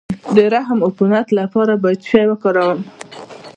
د رحم د عفونت لپاره باید څه شی وکاروم؟